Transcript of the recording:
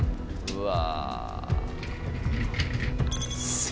うわ！